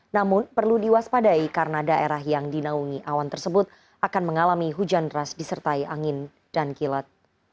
namun perlu diwaspadai karena daerah yang dinaungi awan tersebut akan mengalami hujan deras disertai angin dan kilat